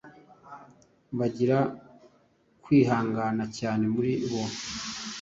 Bagira kwihangana cyane muri bo